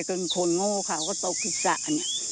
เก่มคนโง่เขาก็ตกคืน